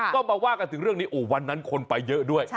ก็มาว่ากันถึงเรื่องนี้วันนั้นคนไปเยอะด้วย